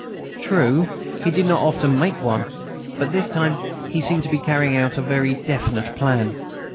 True, he did not often make one, but this time he seemed to be carrying out a very definite plan.